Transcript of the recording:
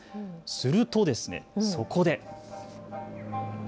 すると、そこで。